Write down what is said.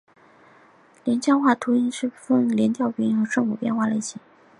连江话的连读音变主要分为连读变调和声母类化两种。